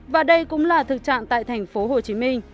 và đây cũng là thực trạng tại thành phố hồ chí minh